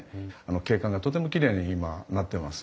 景観がとてもきれいに今なってます。